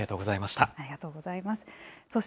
ありがとうございます。